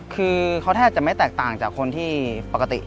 คือเขาแทบจะไม่แตกต่างจากคนที่ปกติ